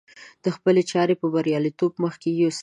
خپلې چارې په برياليتوب مخکې يوسي.